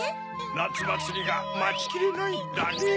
なつまつりがまちきれないんだねぇ。